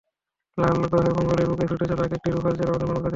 লাল গ্রহ মঙ্গলের বুকে ছুটে চলা একেকটি রোভার যেন আমাদের মানবজাতির স্বপ্ন।